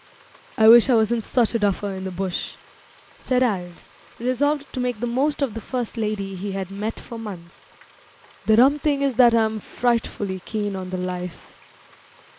"I wish I wasn't such a duffer in the bush," said Ives, resolved to make the most of the first lady he had met for months. "The rum thing is that I'm frightfully keen on the life."